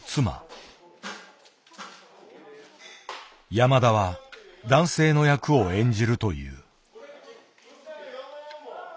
山田は男性の役を演じるという。